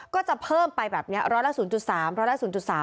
ก็จะเพิ่มไปแบบนี้๑๐๐ละ๐๓